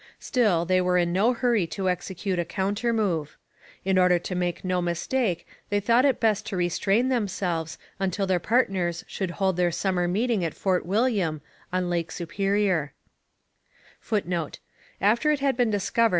Still, they were in no hurry to execute a counter move. In order to make no mistake they thought it best to restrain themselves until their partners should hold their summer meeting at Fort William, on Lake Superior.